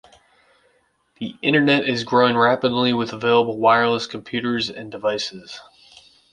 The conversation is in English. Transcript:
The internet is growing rapidly with available wireless computers and devices.